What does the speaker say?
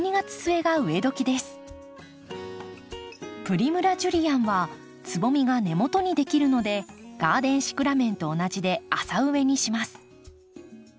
プリムラ・ジュリアンはつぼみが根元にできるのでガーデンシクラメンと同じで浅植えにします。